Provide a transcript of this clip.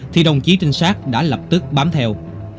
thì đồng chí trinh sát đã lập tức bám theo